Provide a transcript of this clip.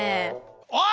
おい！